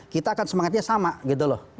kita akan semangatnya sama gitu loh